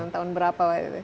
tahun berapa waktu itu